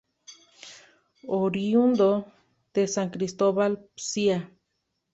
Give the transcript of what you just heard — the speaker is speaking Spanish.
Oriundo de San Cristóbal, Pcia.